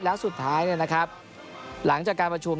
และสุดท้ายพีคได้ถึงหลังจากการประชูม